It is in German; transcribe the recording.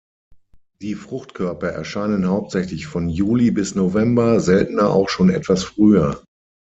Die Fruchtkörper erscheinen hauptsächlich von Juli bis November, seltener auch schon etwas früher.